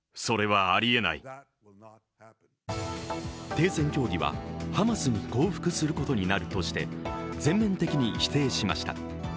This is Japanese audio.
停戦協議はハマスに降伏することになるとして全面的に否定しました。